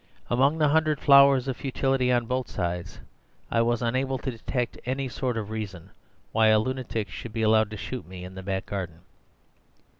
Among the hundred flowers of futility on both sides I was unable to detect any sort of reason why a lunatic should be allowed to shoot me in the back garden."